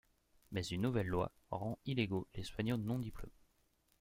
Mais une nouvelle loi rend illégaux les soignants non-diplômés.